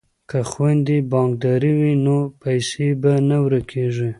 که خویندې بانکدارې وي نو پیسې به نه ورکیږي.